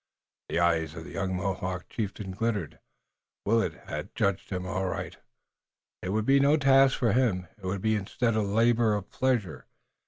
The eyes of the young Mohawk chieftain glittered. Willet had judged him aright. It would be no task for him, it would be instead a labor of pleasure.